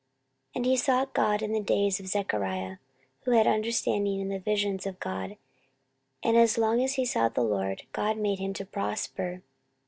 14:026:005 And he sought God in the days of Zechariah, who had understanding in the visions of God: and as long as he sought the LORD, God made him to prosper.